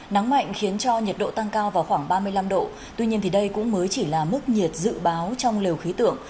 nắng mạnh khiến cho nhiệt độ tăng cao vào khoảng ba mươi năm độ tuy nhiên đây cũng mới chỉ là mức nhiệt dự báo trong lều khí tượng